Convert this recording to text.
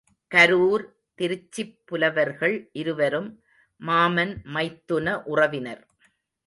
கரூர் திருச்சிப் புலவர்கள் இருவரும் மாமன் மைத்துன உறவினர்.